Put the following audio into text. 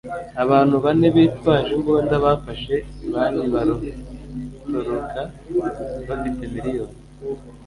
abantu bane bitwaje imbunda bafashe banki baratoroka bafite miliyoni